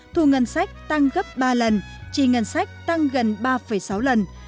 thu ngân sách tăng gấp ba lần trì ngân sách tăng gần ba sáu lần